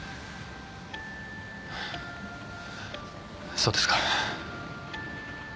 ハァそうですか。